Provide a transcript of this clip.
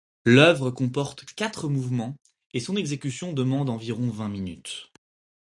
L'œuvre comporte quatre mouvements et son exécution demande environ vingt minutes.